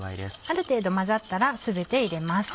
ある程度混ざったら全て入れます。